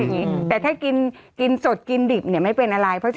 อย่างนี้แต่ถ้ากินกินสดกินดิบเนี่ยไม่เป็นอะไรเพราะจะ